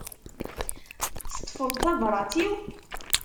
Teṭṭfeḍ tabrat-iw?